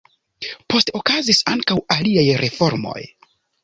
Poste okazis ankaŭ aliaj reformoj.